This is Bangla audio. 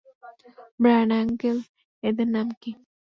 ব্রায়ান আংকেল, এদের নাম কী?